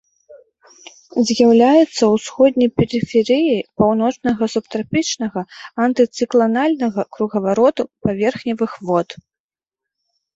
З'яўляецца ўсходняй перыферыяй паўночнага субтрапічнага антыцыкланальнага кругавароту паверхневых вод.